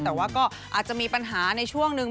แต่ว่าก็อาจจะมีปัญหาในช่วงหนึ่ง